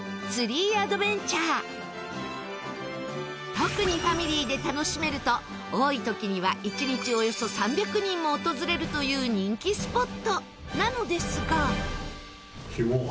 特にファミリーで楽しめると多い時には１日およそ３００人も訪れるという人気スポットなのですが。